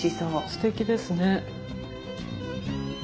すてきですね。